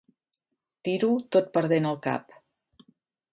Tiro tot perdent el cap.